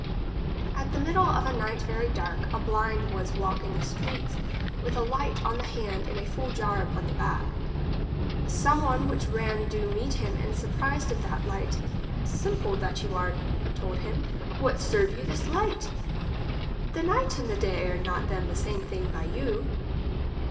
At the middle of a night very dark, a blind was walk in the streets with a light on the hand and a full jar upon the back. Some one which ran do meet him, and surprised of that light :" Simple that you are, told him, what serve you this light? The night and the day are not them the same thing by you